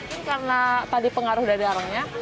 ini karena tadi pengaruh dari aromanya